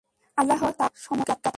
আল্লাহ তাআলাই সমধিক জ্ঞাত।